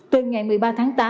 từ ngày một mươi ba tháng tám